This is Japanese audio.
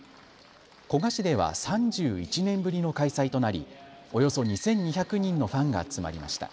古河市では３１年ぶりの開催となり、およそ２２００人のファンが集まりました。